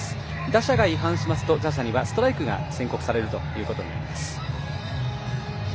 打者が違反しますと打者にはストライクが宣告されるということになります。